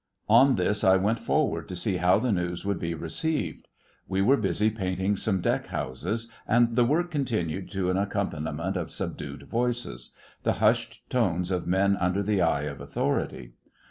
On this, I went forward to see how the news would be received. We were busy painting some deck houses, and the work continued to an accompaniment of subdued voices—the hushed tones of men under the eye of authority.